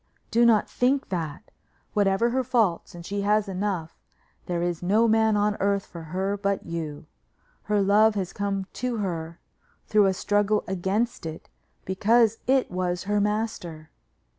"Do not think that. Whatever her faults, and she has enough, there is no man on earth for her but you. Her love has come to her through a struggle against it because it was her master.